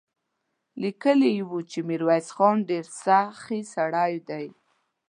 ليکلي يې و چې ميرويس خان ډېر سخي سړی دی.